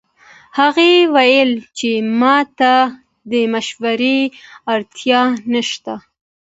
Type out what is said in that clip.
هغې وویل چې ما ته د مشورې اړتیا نه شته